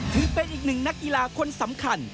ถือเป็นอีกหนึ่งนักกีฬาคนสำคัญ